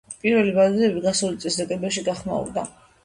პირველი ბრალდებები გასული წლის დეკემბერში გახმაურდა.